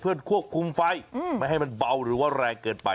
เพื่อควบคุมไฟไม่ให้มันเบาหรือว่าแรงเกินไป